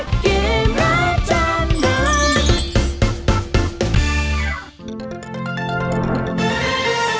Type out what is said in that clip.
เกมรักจำนำ